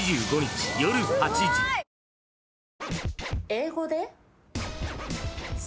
英語で？